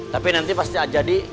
tapi nanti pasti jadi